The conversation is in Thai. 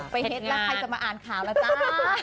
เฮ็ดแล้วใครจะมาอ่านข่าวล่ะจ้า